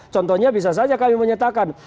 contohnya bisa saja kami menyatakan